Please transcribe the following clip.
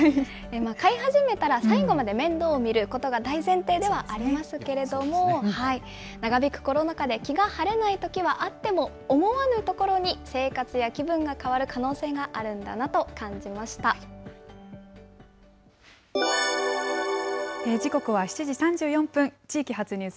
飼い始めたら最後まで面倒を見ることが大前提ではありますけれども、長引くコロナ禍で気が晴れないときはあっても、思わぬところに生活や気分が変わる可能性があるんだなと感じまし時刻は７時３４分、地域発ニ